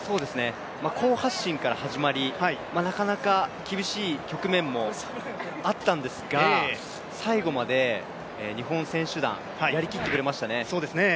好発進から始まり、なかなか厳しい局面もあったんですが最後まで日本選手団、やりきってくれましたね。